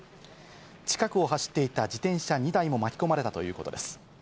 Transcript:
近くを走っていた自転車２台も巻き込まれたということです。